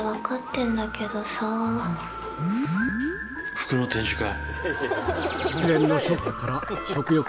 服の展示会